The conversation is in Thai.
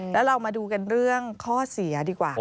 แล้วเรามาดูกันเรื่องข้อเสียดีกว่า